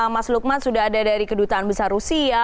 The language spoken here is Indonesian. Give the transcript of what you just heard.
mas lukman sudah ada dari kedutaan besar rusia